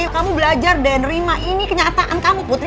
kamu belajar deh nerima ini kenyataan kamu putri